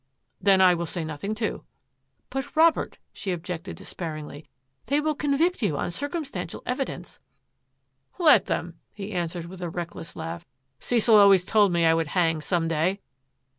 "" Then I will say nothing, too." " But, Robert," she objected despairingly, " they will convict you on circumstantial evi dence." " Let them !" he answered with a reckless laugh. " Cecil always told me I would hang some day."